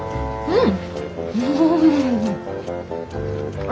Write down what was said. うん！